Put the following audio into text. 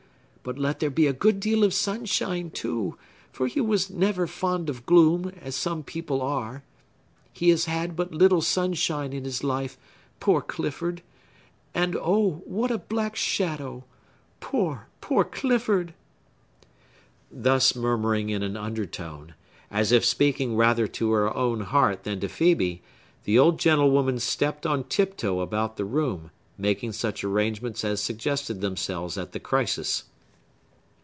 But let there be a good deal of sunshine, too; for he never was fond of gloom, as some people are. He has had but little sunshine in his life,—poor Clifford,—and, oh, what a black shadow. Poor, poor Clifford!" Thus murmuring in an undertone, as if speaking rather to her own heart than to Phœbe, the old gentlewoman stepped on tiptoe about the room, making such arrangements as suggested themselves at the crisis.